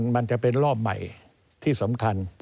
มันจะเป็นรอบใหม่ที่สำคัญ